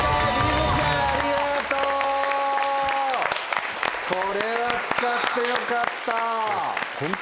づちゃんありがとう！これは使ってよかった。